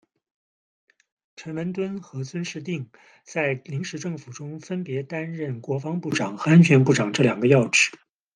陈文敦和尊室订在临时政府中分别担任国防部长和安全部长这两个要职。